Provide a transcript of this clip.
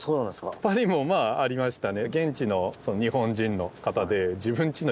パリもありましたね。